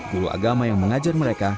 guru agama yang mengajar mereka